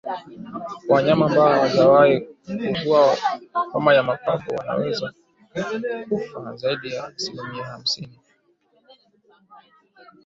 Kwa wanyama ambao hawajawahi kuugua homa ya mapafu wanaweza kufa zaidi ya asilimia hamsini